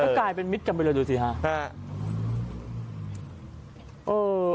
กลายเป็นมิตรกันไปเลยดูสิฮะ